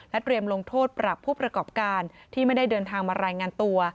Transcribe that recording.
เตรียมลงโทษปรับผู้ประกอบการที่ไม่ได้เดินทางมารายงานตัว